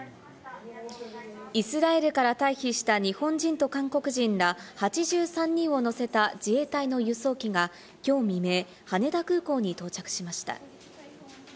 イスラエルから退避した日本人と韓国人ら８３人を乗せた自衛隊の輸送機がきょう未明、羽田空港に到着しました。